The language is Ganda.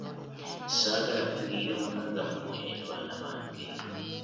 Ssaagala kuyingirira maka gammwe baana bange.